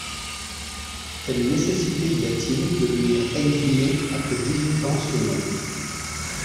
Quelle nécessité y a-t-il de venir exhumer après dix-huit ans ce nom ?…